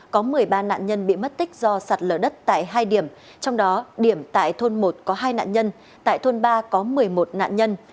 có một mươi ba nạn nhân bị mất tích do sạt lở đất tại hai điểm trong đó điểm tại thôn một có hai nạn nhân tại thôn ba có một mươi một nạn nhân